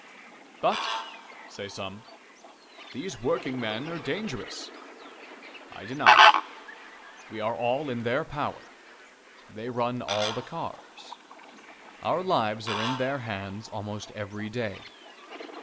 "But," say some, "these workingmen are dangerous." I deny it. We are all in their power. They run all the cars. Our lives are in their hands almost every day.